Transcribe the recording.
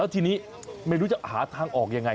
ทีนี้ไม่รู้จะหาทางออกยังไง